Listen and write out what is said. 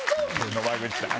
野間口さん。